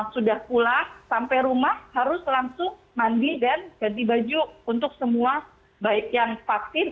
sudah pulang sampai rumah harus langsung mandi dan ganti baju untuk semua baik yang vaksin